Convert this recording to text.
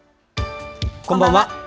こんばんは。